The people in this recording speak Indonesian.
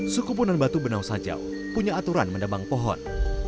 suku punan batu benausajaw punya aturan mendebang pohon